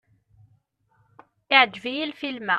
Iɛǧeb-iyi lfilm-a.